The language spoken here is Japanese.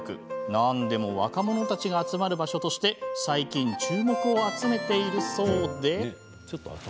なんでも若者たちが集まる場所として最近、注目を集めているそうで。